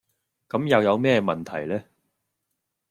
咁又有咩問題呢